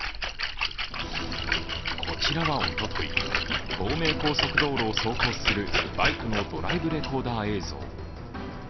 こちらは、おととい、東名高速道路を走行するバイクのドライブレコーダー映像。